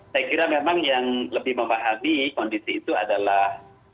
saya kira memang yang lebih memahami kondisi itu adalah